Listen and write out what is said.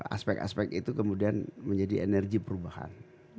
aspek aspek itu kemudian menjadi energi perubahan